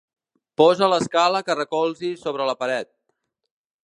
Posa l'escala que recolzi sobre la paret.